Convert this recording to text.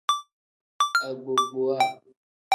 Agbogbowa.